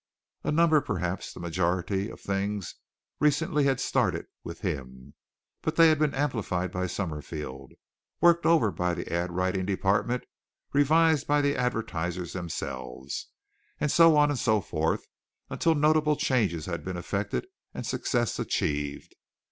A number, perhaps the majority, of things recently had started with him; but they had been amplified by Summerfield, worked over by the ad writing department, revised by the advertisers themselves, and so on and so forth, until notable changes had been effected and success achieved.